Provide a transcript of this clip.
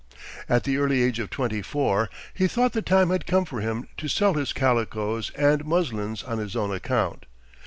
At the early age of twenty four he thought the time had come for him to sell his calicoes and muslins on his own account.